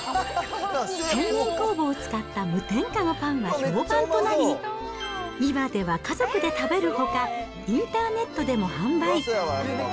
天然酵母を使った無添加のパンは評判となり、今では家族で食べるほか、インターネットでも販売。